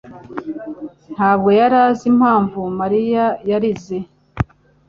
ntabwo yari azi impamvu Mariya yarize.